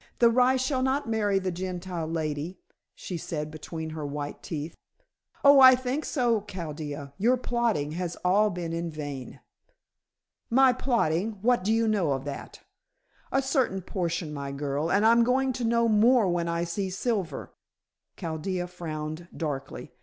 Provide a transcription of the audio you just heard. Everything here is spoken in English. "The rye shall not marry the Gentile lady," she said between her white teeth. "Oh, I think so, Chaldea. Your plotting has all been in vain." "My plotting. What do you know of that?" "A certain portion, my girl, and I'm going to know more when I see Silver." Chaldea frowned darkly.